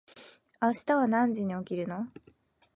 明日は何時に起きるの？